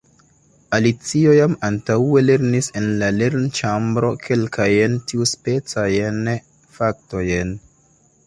Alicio jam antaŭe lernis en la lernĉambro kelkajn tiuspecajn faktojn.